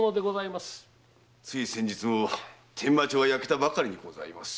つい先日も伝馬町が焼けたばかりにございます。